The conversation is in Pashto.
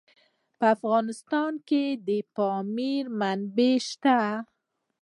په افغانستان کې د پامیر منابع شته.